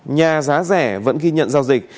nhà giá rẻ vẫn ghi nhận giao dịch